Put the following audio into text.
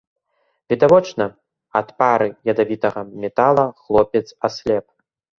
Відавочна, ад пары ядавітага метала хлопец аслеп.